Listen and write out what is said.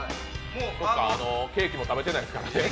ケーキも食べてないですからね。